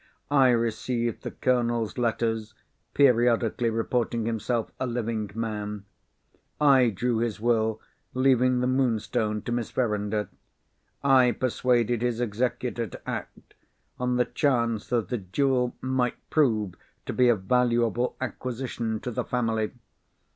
I received the Colonel's letters, periodically reporting himself a living man. I drew his Will, leaving the Moonstone to Miss Verinder. I persuaded his executor to act, on the chance that the jewel might prove to be a valuable acquisition to the family.